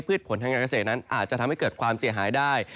ผลของการเกษตรกี่จะทำให้เกิดความเสียหายได้